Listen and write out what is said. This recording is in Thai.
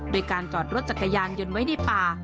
โดยการจอดรถจักรยานยนต์ไว้ในป่า